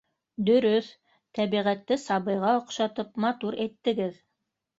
— Дөрөҫ, тәбиғәтте сабыйға оҡшатып, матур әйттегеҙ